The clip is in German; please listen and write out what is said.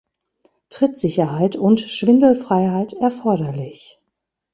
Trittsicherheit und Schwindelfreiheit erforderlich.